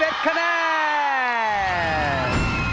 ลูกวิทูทำได้๒๖๑คะแนน